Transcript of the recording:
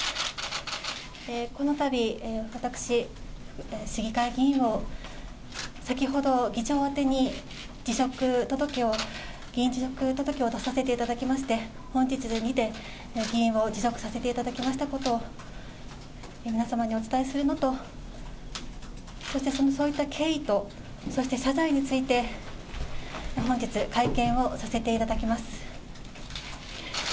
このたび、私、市議会議員を、先ほど議長宛てに辞職届を、議員辞職届を出させていただきまして、本日にて議員を辞職させていただきましたことを皆様にお伝えするのと、そしてそういった経緯と、そして謝罪について、本日、会見をさせていただきます。